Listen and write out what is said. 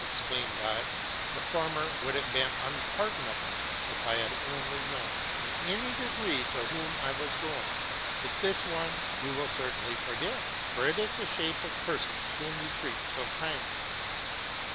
'' exclaimed L: '*the former would have been unpardonable if I had ouly known in any degree to whom I was going; but this one you will certainly forgive, for itis the shape of persons whom you treat so kindly.